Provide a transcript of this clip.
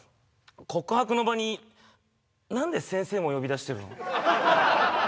告白の場に何で先生も呼び出してるの？